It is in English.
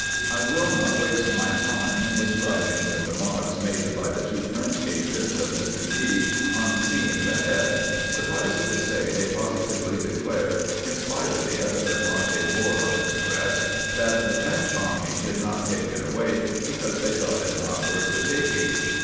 I will not waste my time in describing the remarks made by the two French agents of Mr. D., on seeing the head : suffice it to say, they positively declared, in gpite of the evident mark it bore on its breast, that the French army did not take it away, because they thought it not worth the taking